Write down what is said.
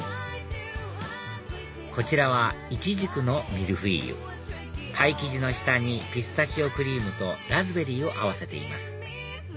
こちらはイチジクのミルフィーユパイ生地の下にピスタチオクリームとラズベリーを合わせています